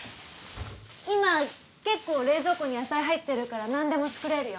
今結構冷蔵庫に野菜入ってるからなんでも作れるよ。